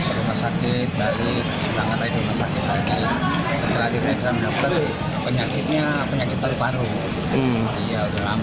jadi pas dia sudah sembuh dia pulang